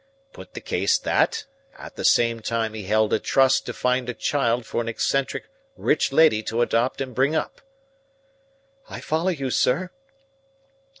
Put the case that, at the same time he held a trust to find a child for an eccentric rich lady to adopt and bring up." "I follow you, sir."